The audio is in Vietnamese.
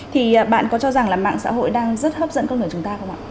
thì bạn có cho rằng là mạng xã hội đang rất hấp dẫn con người chúng ta không ạ